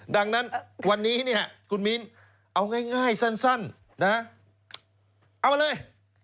ดังนั้นวันนี้เนี่ยคุณมิ้นเอาง่ายสั้นนะเอาเลย